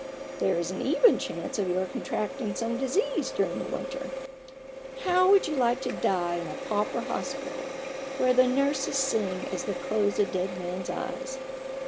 There is an even chance of your contracting some disease during the winter. How would you like to die in a pauper hospital, where the nurses sing as they close a dead man's eyes